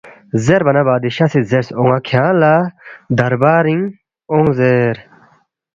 زیربا نہ بادشاہ سی زیرس، ”اون٘ا کھونگ لہ دربارِنگ اونگ زیر